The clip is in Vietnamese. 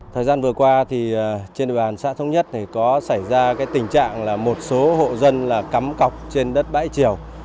thời gian vừa qua trên đề bàn xã thống nhất có xảy ra tình trạng là một số hộ dân cắm cọc trên đất bãi chiều